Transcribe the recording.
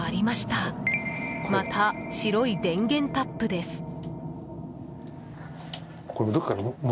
また白い電源タップです。